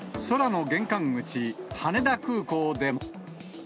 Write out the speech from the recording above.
空の玄関口、羽田空港でも。